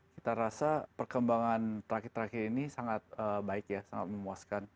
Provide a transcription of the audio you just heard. kita rasa perkembangan terakhir terakhir ini sangat baik ya sangat memuaskan